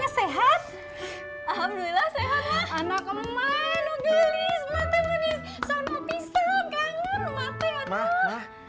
sehat alhamdulillah sehat anak anak